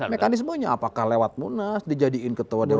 mekanismenya apakah lewat munas dijadiin ketua dpr